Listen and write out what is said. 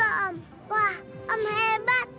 wah om hebat